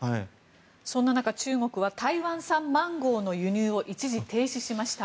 そんな中、中国は台湾産マンゴーの輸入を一時停止しました。